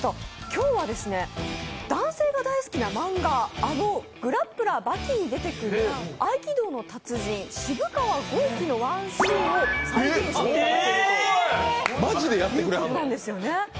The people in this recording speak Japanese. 今日は男性が大好きな漫画、あの「グラップラー刃牙」に出てくる合気道の達人、渋川剛気のワンシーンを再現していただけるということなんです。